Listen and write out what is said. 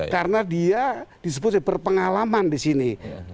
karena dia disebut berpengalaman di sini